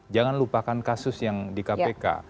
jangan lupakan kasus yang di kpk